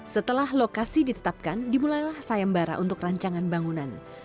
setelah lokasi ditetapkan dimulailah sayembara untuk rancangan bangunan